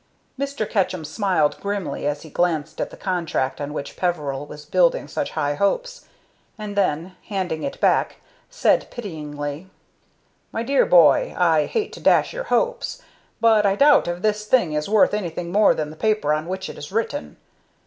Mr. Ketchum smiled grimly as he glanced at the contract on which Peveril was building such high hopes, and then, handing it back, said, pityingly: "My dear boy, I hate to dash your hopes, but I doubt if this thing is worth anything more than the paper on which it is written.